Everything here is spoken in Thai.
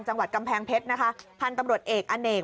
จังหวัดกำแพงเพชรพันธุ์กำรวจเอกอันเอก